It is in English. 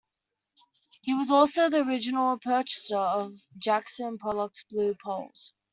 He was also the original purchaser of Jackson Pollock's Blue Poles.